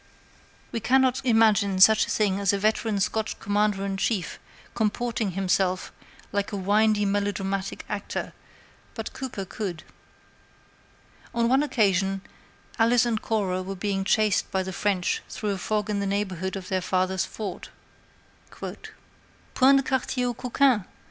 We cannot imagine such a thing as a veteran Scotch Commander in Chief comporting himself in the field like a windy melodramatic actor, but Cooper could. On one occasion Alice and Cora were being chased by the French through a fog in the neighborhood of their father's fort: "'Point de quartier aux coquins!'